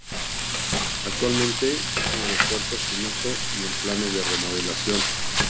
Actualmente es un aeropuerto sin uso y en planes de remodelación.